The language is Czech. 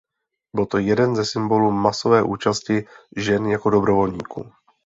Byl to jeden ze symbolů masové účasti žen jako dobrovolníků.